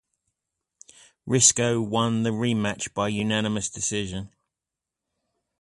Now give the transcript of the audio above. Risco won the rematch by unanimous decision.